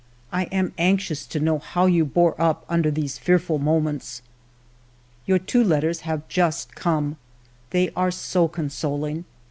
I am anxious to know how you bore up under those fearful moments. " Your two letters have just come ; they are so consoling.